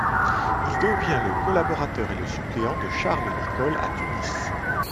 Il devient le collaborateur et le suppléant de Charles Nicolle à Tunis.